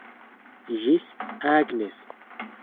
Ĝis, Agnes.